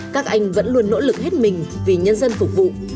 các anh vẫn luôn nỗ lực hết mình vì nhân dân phục vụ